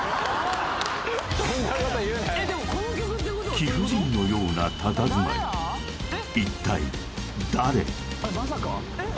貴婦人のようなたたずまい一体誰？